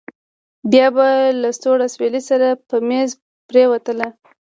بيا به له سوړ اسويلي سره په مېز پرېوتله.